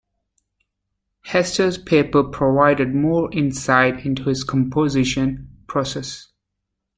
Hester's papers provide more insight into his composition process.